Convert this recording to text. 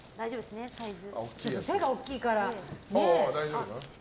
手が大きいから。